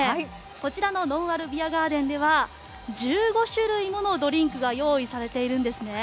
こちらののんあるビアガーデンでは１５種類ものドリンクが用意されているんですね。